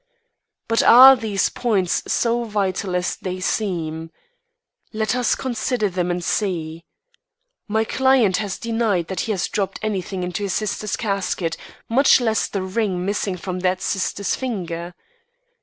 "But are these points so vital as they seem? Let us consider them, and see. My client has denied that he dropped anything into his sister's casket, much less the ring missing from that sister's finger.